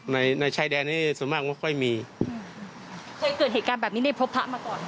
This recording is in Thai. ในในชายแดนนี้ส่วนมากไม่ค่อยมีอืมเคยเกิดเหตุการณ์แบบนี้ได้พบพระมาก่อน